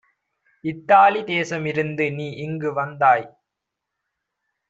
"Italy தேசம் இருந்து நீஇங்கு வந்தாய்.